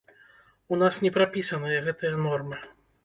У нас не прапісаныя гэтыя нормы.